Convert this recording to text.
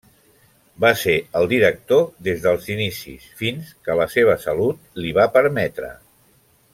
Va ser el director des dels inicis fins que la seva salut li va permetre.